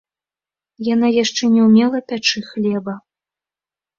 Яна яшчэ не ўмела пячы хлеба.